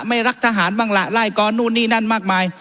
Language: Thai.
ไม่รักทหารบ้างล่ะไล่กรนู่นนี่นั่นมากมาย